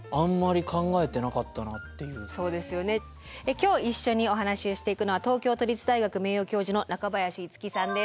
今日一緒にお話をしていくのは東京都立大学名誉教授の中林一樹さんです。